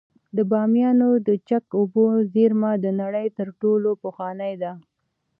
د بامیانو د چک اوبو زیرمه د نړۍ تر ټولو پخوانۍ ده